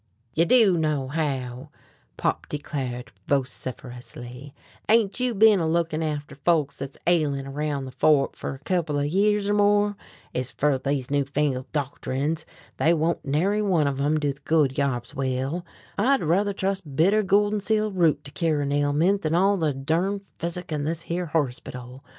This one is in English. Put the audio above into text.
"You do know how," Pop declared vociferously; "ain't you bin a lookin' after folks thet's ailin' around the Fork fer a couple of years or more? Ez fer these new fangled doctorin's, they won't nary one ov 'em do the good yarbs will. I'd ruther trust bitter goldenseal root to cure a ailment than all the durn physic in this here horspittle.